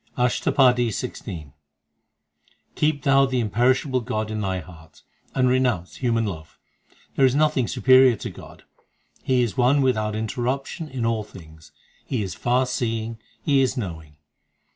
ASHTAPADI XVI I Keep thou the imperishable God in thy heart, And renounce human love. There is nothing superior to God ; He is one without interruption in all things ; He is far seeing ; He is knowing.